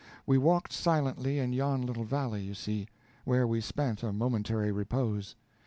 We walked silently in yon little valley you see, where we spent a momentary repose.